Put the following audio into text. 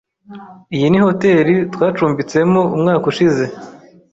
Iyi ni hoteri twacumbitsemo umwaka ushize.